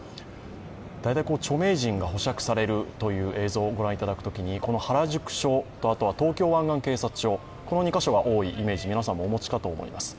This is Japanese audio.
大体著名人が保釈されるという映像をご覧いただくときに、この原宿署と東京湾岸警察署、この２か所が多いイメージ、皆さんもお持ちかと思います。